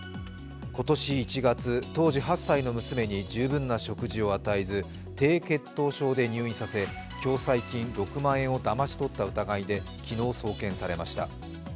今年１月、当時８歳の娘に十分な食事を与えず低血糖症で入院させ共済金６万円をだまし取った疑いで昨日、送検されました。